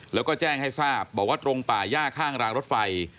แล้วก็แจ้งให้ทราบบอกว่าตรงป่าย่าข้างรางรถไฟ